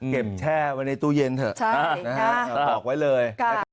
เก็บแช่ไว้ในตู้เย็นเถอะใช่นะฮะบอกไว้เลย